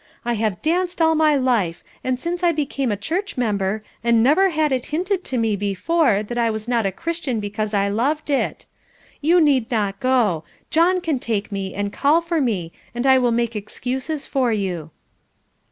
I have danced all my life, and since I became a church member, and never had it hinted to me before that I was not a Christian because I loved it. You need not go; John can take me and call for me, and I will make excuses for you."